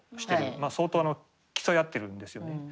相当競い合ってるんですよね。